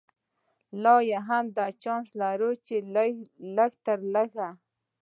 لا هم دا چانس لري چې لږ تر لږه.